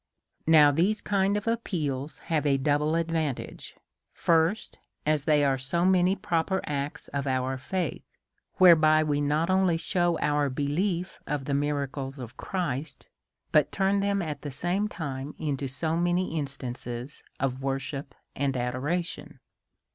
Now, these appeals have a double advantage : Firsts As they are so many proper acts of our faith, whereby we not only shew our belief of the miracles of Christ, but turn them at the same time into so many instan ces of worship and adoration.